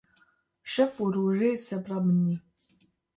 Şev û rojê sebra min î